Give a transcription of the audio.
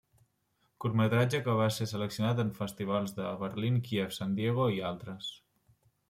Curtmetratge que va ser seleccionat en festivals de Berlín, Kíev, San Diego i altres.